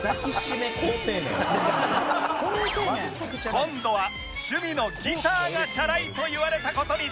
今度は趣味のギターがチャラいと言われた事について